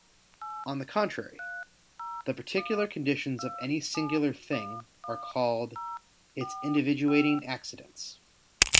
On the contrary, The particular conditions of any singular thing are called its individuating accidents.